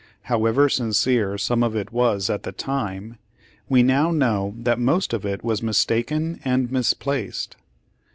However sincere some of it was at the time, we now know that most of it was mistaken and misplaced.